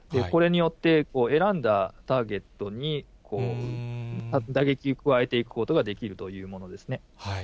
これによって、選んだターゲットに打撃を加えていくことができるというものです